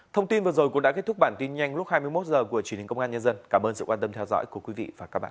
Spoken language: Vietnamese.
thông tin vừa rồi cũng đã kết thúc bản tin nhanh lúc hai mươi một h của truyền hình công an nhân dân cảm ơn sự quan tâm theo dõi của quý vị và các bạn